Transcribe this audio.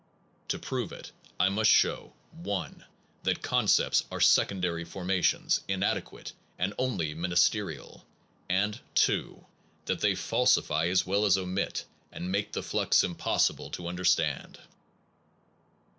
To prove it, I must show: 1. That concepts are secondary formations, inadequate, and only ministerial; and 2. That they falsify as well as omit, and make the flux impossible to understand.